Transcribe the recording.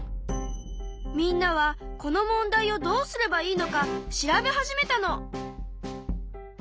みんなはこの問題をどうすればいいのか調べ始めたの。